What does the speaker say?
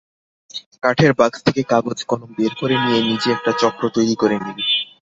কাঠের বাক্স থেকে কাগজ-কলম বের করে নিয়ে নিজে একটা চক্র তৈরি করে নিলে।